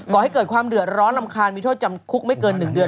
กให้เกิดความเดือดร้อนรำคาญมีโทษจำคุกไม่เกิน๑เดือน